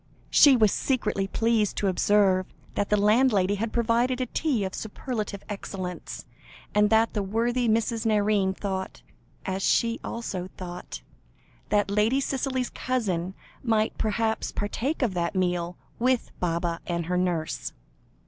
She was secretly pleased to observe that the landlady had provided a tea of superlative excellence, and that the worthy Mrs. Nairne thought, as she also thought, that Lady Cicely's cousin might perhaps partake of that meal with Baba and her nurse.